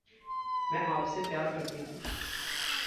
मैं आपसे प्यार करती हूँ।